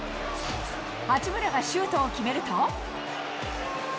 八村がシュートを決めると。